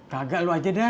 kagak lo aja dah